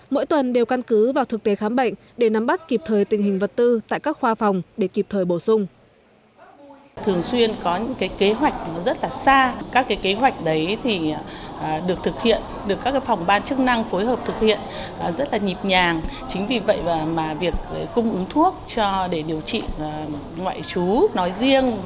mỗi tuần đều căn cứ vào thực tế khám bệnh để nắm bắt kịp thời tình hình vật tư tại các khoa phòng để kịp thời bổ sung